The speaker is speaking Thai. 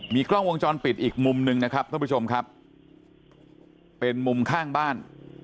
กล้องวงจรปิดอีกมุมหนึ่งนะครับท่านผู้ชมครับเป็นมุมข้างบ้าน